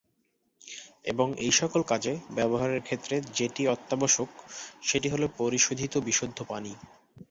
এবং এইসকল কাজে ব্যবহারের ক্ষেত্রে যেটি অত্যাবশ্যক সেটি হল পরিশোধিত বিশুদ্ধ পানি।